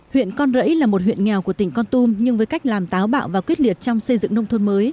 huyện con rẫy là một huyện nghèo của tỉnh con tum nhưng với cách làm táo bạo và quyết liệt trong xây dựng nông thôn mới